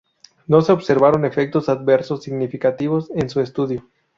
No se observaron efectos adversos significativos en su estudio.